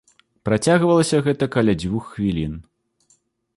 Працягвалася гэта каля дзвюх хвілін.